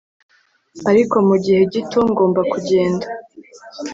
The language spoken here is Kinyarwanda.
ariko mu gihe gito, ngomba kugenda